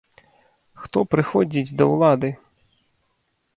Хто прыходзіць да ўлады?